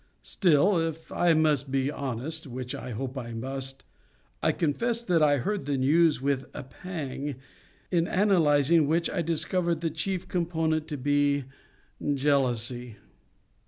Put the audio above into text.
Still, if I must be honest, which I hope I must, I confess that I heard the news with a pang, in analysing which I discovered the chief component to be jealousy.